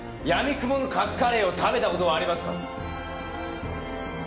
やみくものカツカレーを食べた事はありますか？